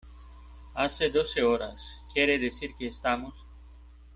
hace doce horas, quiere decir que estamos